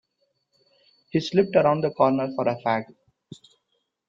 He slipped around the corner for a fag.